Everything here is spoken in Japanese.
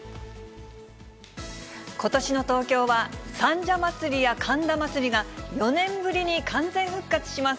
ことしの東京は、三社祭や神田祭が４年ぶりに完全復活します。